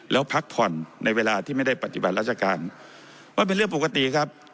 แล้วพักผ่อนในเวลาที่ไม่ได้ปฏิบัติราชการมันเป็นเรื่องปกติครับ